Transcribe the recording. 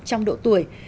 trong độ tuổi